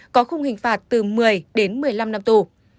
có khung hình phạt từ một mươi đến một mươi năm năm tù